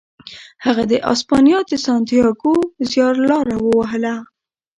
هغه د اسپانیا د سانتیاګو زیارلاره ووهله.